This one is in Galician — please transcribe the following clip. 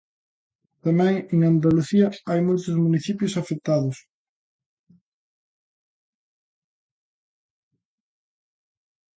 Tamén en Andalucía hai moitos municipios afectados.